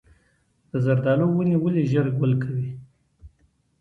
د زردالو ونې ولې ژر ګل کوي؟